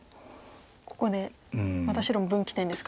ここでまた白も分岐点ですか。